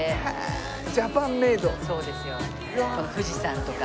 この富士山とか。